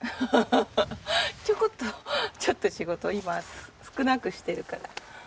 ちょっと仕事今少なくしてるから。